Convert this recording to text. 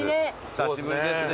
久しぶりですね。